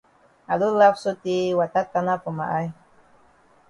I don laf sotay wata tanap for ma eye.